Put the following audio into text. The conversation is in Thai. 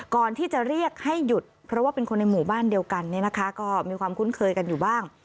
ก่อนที่จะเรียกให้หยุดเพราะว่าเป็นคนในหมู่บ้านเดียวกันเนี่ยนะคะก็มีความคุ้นเคยกันอยู่บ้าง